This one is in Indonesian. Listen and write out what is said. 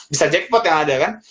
bisa jackpot yang ada kan